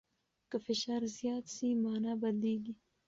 که فشار زیات سي، مانا بدلیږي.